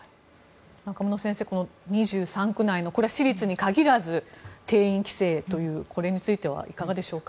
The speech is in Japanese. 中室先生２３区で私立に限らず定員規制という、これについてはいかがでしょうか。